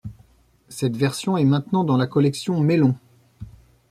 Cette version est maintenant dans la collection Mellon.